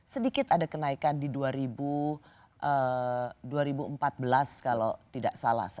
sedikit ada kenaikan di dua ribu empat belas kalau tidak salah